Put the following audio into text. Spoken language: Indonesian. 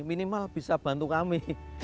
minimal bisa bantu kami